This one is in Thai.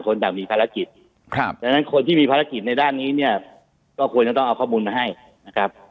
อยากมีภารกิจครับดังนั้นคนที่มีภารกิจในด้านนี้เนี่ยก็ควรจะต้องเอาข้อมูลมาให้นะครับ